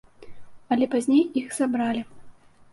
Але пазней іх забралі.